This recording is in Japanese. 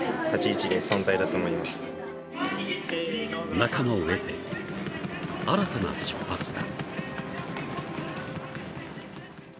仲間を得て、新たな出発だ。